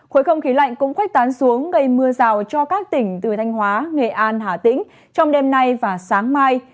khối không khí lạnh cũng khuếch tán xuống gây mưa rào cho các tỉnh từ thanh hóa nghệ an hà tĩnh trong đêm nay và sáng mai